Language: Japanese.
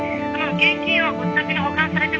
現金をご自宅に保管されてますよね？」。